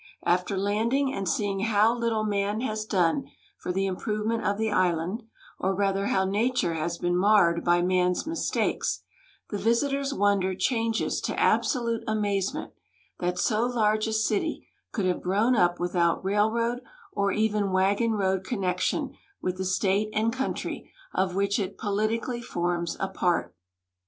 After landing and seeing how little man has done for the improvement of the island, or rather how nature has been marred by man's mistakes, the vis itor's wonder changes to absolute amazement that so large a city could have grown up Avithout railroad or even wagon road con nection with the state and country of Avhich it jDolitically forms a part.